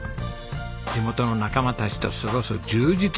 地元の仲間たちと過ごす充実の日々。